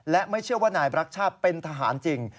และไม่เชื่อว่านายบรักชาติเป็นทหารจริง